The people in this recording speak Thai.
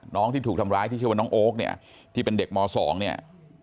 ที่ถูกทำร้ายที่ชื่อว่าน้องโอ๊คเนี่ยที่เป็นเด็กม๒เนี่ย